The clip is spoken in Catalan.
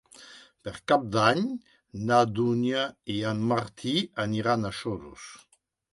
Per Cap d'Any na Dúnia i en Martí aniran a Xodos.